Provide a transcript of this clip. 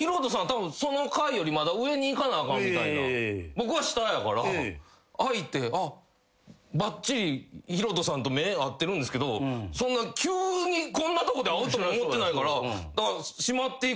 僕は下やから開いてばっちりヒロトさんと目合ってるんですけど急にこんなとこで会うとも思ってないから。